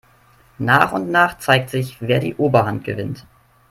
Nach und nach zeigt sich, wer die Oberhand gewinnt.